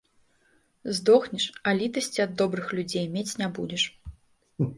Здохнеш, а літасці ад добрых людзей мець не будзеш.